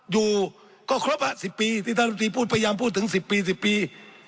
อยู่ก็ครบ๑๐ปีที่ท่านตรีพูดพยายามพูดถึง๑๐ปี๑๐ปี